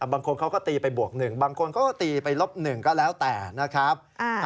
บางคนเขาก็ตีไปบวก๑บางคนเขาก็ตีไปลบ๑ก็แล้วแต่นะครับ